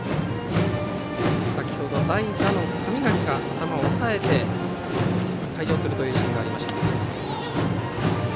先ほど、代打の神垣が頭を押さえて退場するというシーンがありましたが。